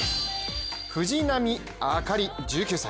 藤波朱理１９歳。